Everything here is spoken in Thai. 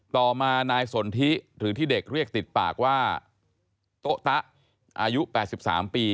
ต่อมานายสนทิหรือที่เด็กเรียกติดปากว่าโต๊ะตะอายุ๘๓ปี